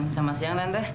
sama siang tante